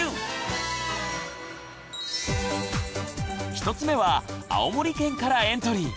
１つ目は青森県からエントリー！